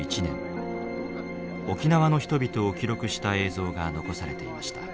沖縄の人々を記録した映像が残されていました。